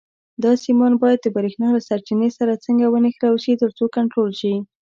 دا سیمان باید د برېښنا له سرچینې سره څنګه ونښلول شي ترڅو کنټرول شي.